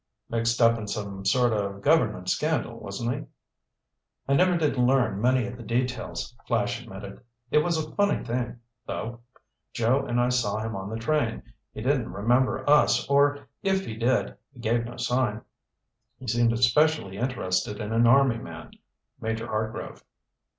"Mixed up in some sort of government scandal, wasn't he?" "I never did learn many of the details," Flash admitted. "It was a funny thing, though. Joe and I saw him on the train. He didn't remember us or, if he did, he gave no sign. He seemed especially interested in an army man, Major Hartgrove."